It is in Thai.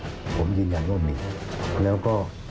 มีความรู้สึกว่ามีความรู้สึกว่า